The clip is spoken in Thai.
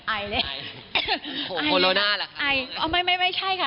ไอเล่นโคลโลนาเหรอครับไอไอไม่ไม่ใช่ค่ะ